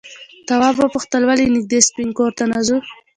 تواب وپوښتل ولې نږدې سپین کور ته نه ځو؟